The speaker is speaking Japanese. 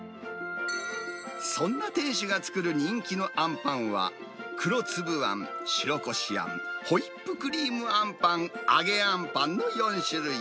そんな店主が作る人気のあんパンは、黒粒あん、白こしあん、ホイップクリームあんパン、揚げあんパンの４種類。